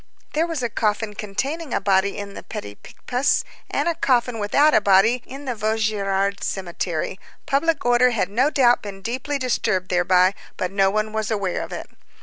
There was a coffin containing a body in the Petit Picpus, and a coffin without a body in the Vaugirard cemetery, public order had no doubt been deeply disturbed thereby, but no one was aware of it.